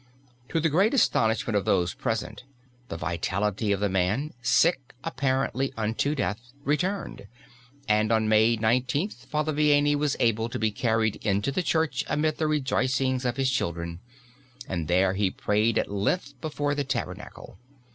To the great astonishment of those present the vitality of the man, sick apparently unto death, returned and, on May 19th, Father Vianney was able to be carried into the church amidst the rejoicings of his children, and there he prayed at length before the Tabernacle.